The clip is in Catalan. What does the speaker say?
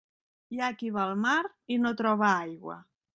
Hi ha qui va al mar i no troba aigua.